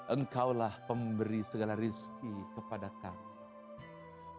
engkau lah pemberi segala rizki kepada kami